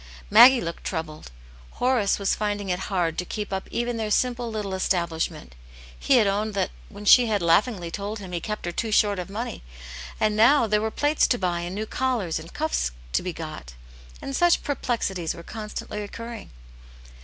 Maggie looked troubled. Hotsic^ viais finding it Aunt Janets Hero. 113 hard to keep up even their simple little establish* ment : he had owned that, when she had laughingly told him he kept her too short of money ; and now there were plates to buy and new collars and cuffs to be got. And such perplexities were constantly occurring.